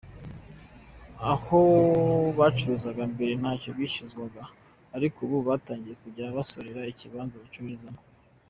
Aho bacururizaga mbere ntacyo bishyuzwaga ariko ubu batangiye kujya basorera ibibanza bacururizamo.